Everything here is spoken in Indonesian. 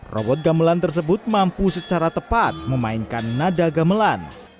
robot gamelan tersebut mampu secara tepat memainkan nada gamelan